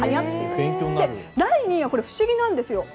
第２位は不思議なんですよ